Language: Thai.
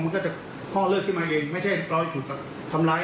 มันก็จะพ่อเลิกขึ้นมาเองไม่ใช่รอยฉุดแบบทำร้าย